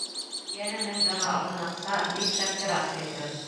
Йәнә мең дана алтын аҡса, бик шәп бер ат килтер.